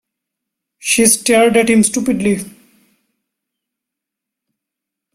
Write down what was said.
She stared at him stupidly.